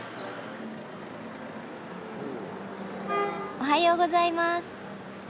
おはようございます。